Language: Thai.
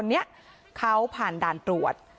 อันนี้เขาผ่านด่านตรวจ